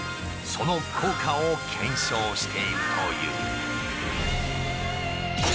その効果を検証しているという。